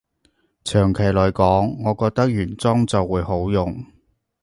長期來講，我覺得原裝就會好用